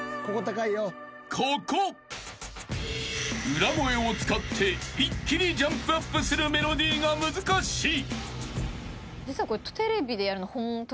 ［裏声を使って一気にジャンプアップするメロディーが難しい］